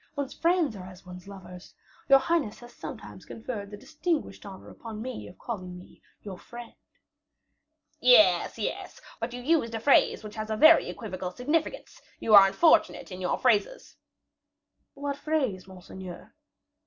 One's friends are as one's lovers. Your highness has sometimes conferred the distinguished honor upon me of calling me your friend." "Yes, yes,; but you used a phrase which has a very equivocal significance; you are unfortunate in your phrases." "What phrase, monseigneur?"